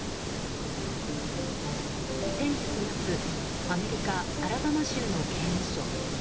先月末、アメリカアラバマ州の刑務所。